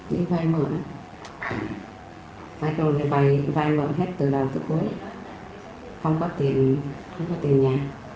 đi vay mượn vay mượn hết từ đầu tới cuối không có tiền không có tiền nhà